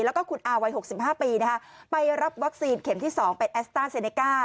แล้วก็คุณอาวัย๖๕ปีไปรับวัคซีนเข็มที่๒เป็นแอสต้าเซเนก้า